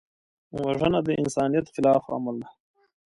وژنه د انسانیت خلاف عمل دی